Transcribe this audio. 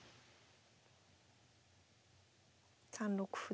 ３六歩で。